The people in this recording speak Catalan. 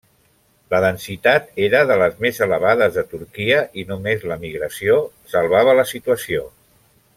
La densitat era de les més elevades de Turquia i només l'emigració salvava la situació.